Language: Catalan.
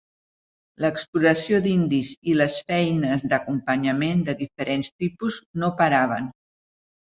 L'exploració d'indis i les feines d'acompanyament de diferents tipus no paraven.